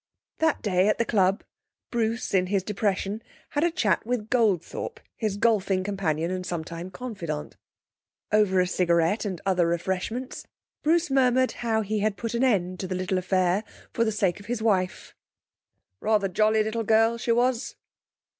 That day at the club, Bruce in his depression had a chat with Goldthorpe, his golfing companion and sometime confidant. Over a cigarette and other refreshments, Bruce murmured how he had put an end to the little affair for the sake of his wife. 'Rather jolly little girl, she was.'